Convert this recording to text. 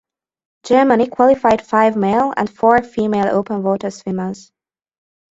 Germany qualified five male and four female open water swimmers.